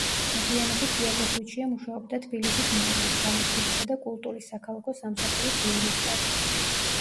მოგვიანებით იაგო ხვიჩია მუშაობდა თბილისის მერიის, განათლებისა და კულტურის საქალაქო სამსახურის იურისტად.